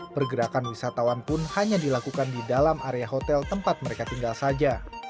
pergerakan wisatawan pun hanya dilakukan di dalam area hotel tempat mereka tinggal saja